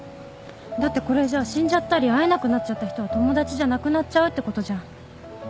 だってこれじゃ死んじゃったり会えなくなっちゃった人は友達じゃなくなっちゃうってことじゃん